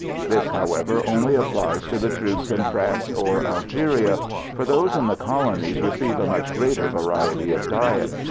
This, however, only applies to the troops in France or Algeria, for those in the Colonies receive a much greater variety of diet.